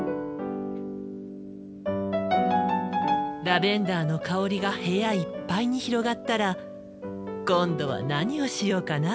ラベンダーの香りが部屋いっぱいに広がったら今度は何をしようかな。